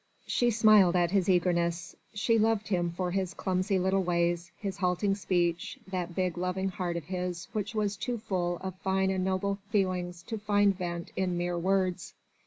She smiled at his eagerness. She loved him for his clumsy little ways, his halting speech, that big loving heart of his which was too full of fine and noble feelings to find vent in mere words.